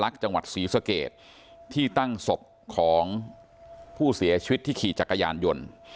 ของผู้เสียชีวิตที่ขี่จักรยานยนต์